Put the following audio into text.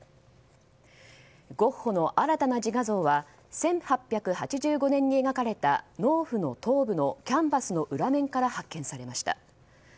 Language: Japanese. ゴッホの新たな自画像は１８８５年に描かれた「農婦の頭部」のキャンバスの裏面から発見されました。